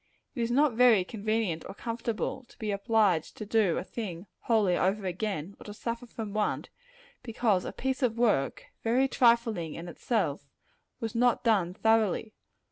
It is not very convenient or comfortable, to be obliged to do a thing wholly over again, or suffer from want, because a piece of work, very trifling in itself, was not done thoroughly.